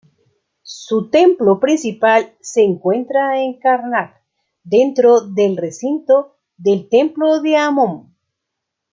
Su templo principal se encuentra en Karnak, dentro del recinto del templo de Amón.